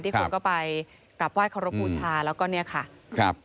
ที่คนก็ไปกลับไหว้ขอรบพูชาแล้วก็เนี้ยค่ะครับ